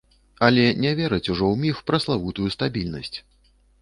Але не вераць ужо ў міф пра славутую стабільнасць.